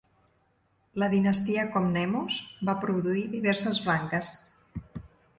La dinastia Komnenos va produir diverses branques.